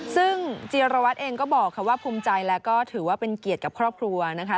ซึ่งจีรวัตรเองก็บอกค่ะว่าภูมิใจแล้วก็ถือว่าเป็นเกียรติกับครอบครัวนะคะ